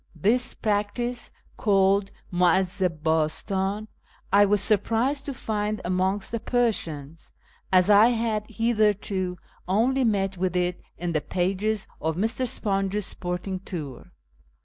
This practice (called muivdzi hastan) I was surprised to find amongst the Persians, as I had hitherto only met with it in the pages of Mr. SiJonges Sporting Tour.